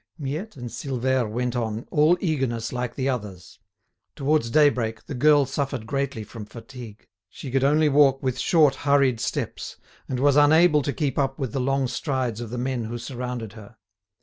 Miette and Silvère went on, all eagerness like the others. Towards daybreak, the girl suffered greatly from fatigue; she could only walk with short hurried steps, and was unable to keep up with the long strides of the men who surrounded her.